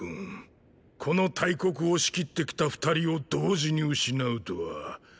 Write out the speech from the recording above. この大国を仕切ってきた二人を同時に失うとは。